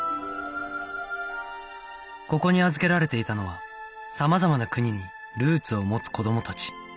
ここに預けられていたのは様々な国にルーツを持つ子どもたち